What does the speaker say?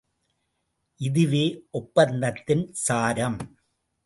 இதுவே ஒப்பந்தத்தின் சாரம்.